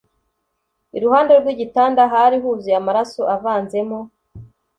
iruhande rwigitanda hari huzuye amaraso avanzemo